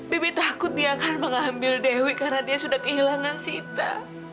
bibi takut dia akan mengambil dewi karena dia sudah kehilangan sita